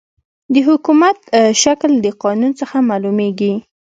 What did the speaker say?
د حکومت شکل د قانون څخه معلوميږي.